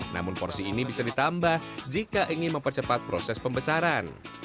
namun porsi ini bisa ditambah jika ingin mempercepat proses pembesaran